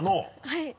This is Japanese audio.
はい。